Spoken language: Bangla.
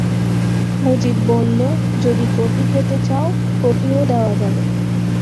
মজিদ বলল, যদি কফি খেতে চান, কফিও দেওয়া যাবে।